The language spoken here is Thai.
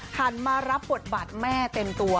หันมารับบทบาทแม่เต็มตัว